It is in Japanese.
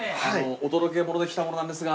『お届けモノ』で来た者なんですが。